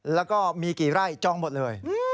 แล้วก็มีกี่ไร่จองหมดเลย